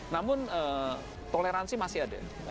namun toleransi masih ada